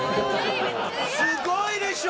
すごいでしょ？